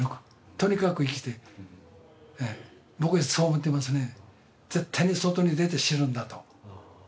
とにかく生きて、僕、そう思っていますね。